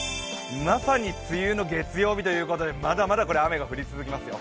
まさに梅雨の月曜日ということでまだまだ雨が降り続きますよ。